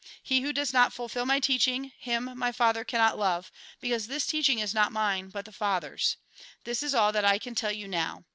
He who does not fulfil my teaching, him my Father cannot love, because this teaching is not mine, but the Father's. This is all that I can tell you now.